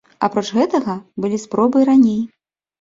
Апроч гэтага, былі спробы і раней.